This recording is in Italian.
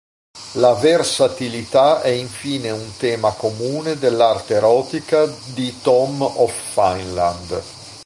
La versatilità è infine un tema comune dell'arte erotica di Tom of Finland.